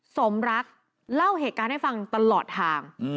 สมรักเล่าเหตุการณ์ให้ฟังตลอดทาง